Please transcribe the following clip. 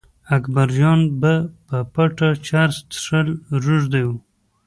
اکبرجان به په پټه چرس څښل روږدي و.